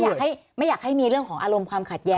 อยากให้ไม่อยากให้มีเรื่องของอารมณ์ความขัดแย้